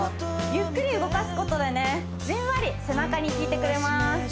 ゆっくり動かすことでねじんわり背中に効いてくれます